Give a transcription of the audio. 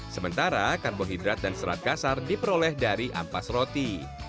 sementara karbohidrat dan serat kasar diperoleh dari ampas roti